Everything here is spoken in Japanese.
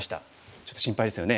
ちょっと心配ですよね。